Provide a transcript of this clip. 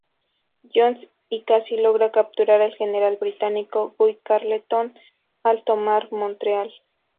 Johns y casi logra capturar al general británico, Guy Carleton, al tomar Montreal.